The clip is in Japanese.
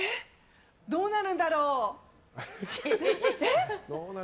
どうなるんだろう？